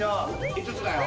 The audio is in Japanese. ５つだよ。